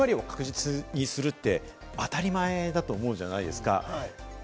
戸締まりを確実にするというのは当たり前だと思うじゃないですか。